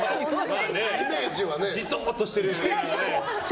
じとっとしてるよね。